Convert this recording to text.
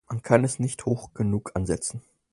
Man kann es nicht hoch genug ansetzen.